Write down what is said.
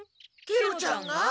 ケロちゃんが？